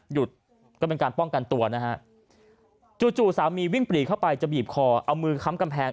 หยุดก็เป็นการป้องกันตัวนะฮะจู่สามีวิ่งปรีเข้าไปจะบีบคอเอามือค้ำกำแพง